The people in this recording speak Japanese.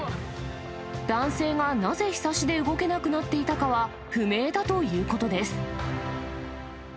男性がなぜ、ひさしで動けなくなっていたかは、不明だということです。